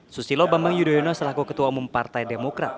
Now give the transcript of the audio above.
susilo bambang yudhoyono selaku ketua umum partai demokrat